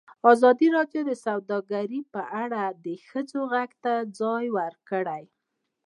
ازادي راډیو د سوداګري په اړه د ښځو غږ ته ځای ورکړی.